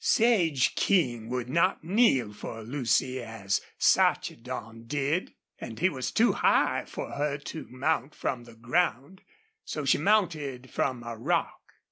Sage King would not kneel for Lucy as Sarchedon did, and he was too high for her to mount from the ground, so she mounted from a rock.